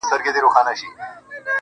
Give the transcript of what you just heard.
زمـا مــاسوم زړه.